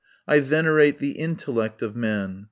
I venerate the intellect of man.